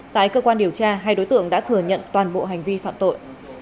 tại cơ quan điều tra hai đối tượng đã thừa nhận toàn bộ hành vi phạm tội